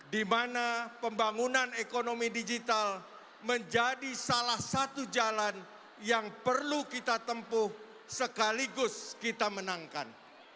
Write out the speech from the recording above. di mana pembangunan ekonomi digital menjadi salah satu jalan yang perlu kita tempuh sekaligus kita menangkan